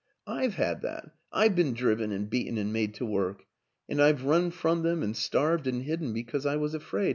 I've had that I've been driven and beaten and made to work. And I've run from them and starved and hidden because I was afraid.